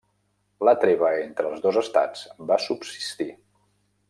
La treva entre els dos estats va subsistir.